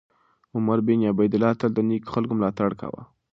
عمر بن عبیدالله تل د نېکو خلکو ملاتړ کاوه.